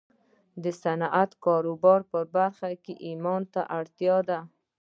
د صنعت د کاروبار په برخه کې ايمان ته اړتيا ده.